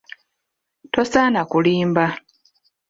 Tosaana kulimba.